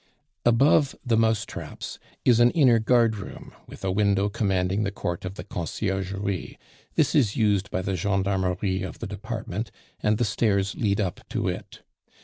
Above the "mousetraps" is an inner guardroom with a window commanding the court of the Conciergerie; this is used by the gendarmerie of the department, and the stairs lead up to it.